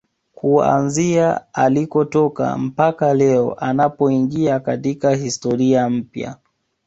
Kuanzia alikotoka mpaka leo anapoingia katika historia mpya